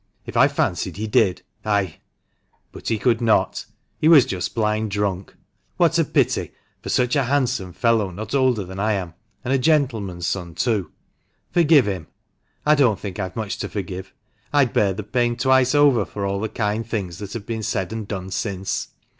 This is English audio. If I fancied he did, I — but he could not. He was just blind drunk. What a pity, for such a handsome fellow, not older than I am, and a gentleman's son, too! Forgive him! I don't think I've much to forgive. I'd bear the pain twice over for all the kind things that have been said and done since!